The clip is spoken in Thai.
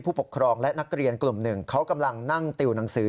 ผู้ปกครองและนักเรียนกลุ่มหนึ่งเขากำลังนั่งติวหนังสือ